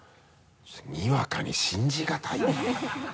にわかに信じがたいね。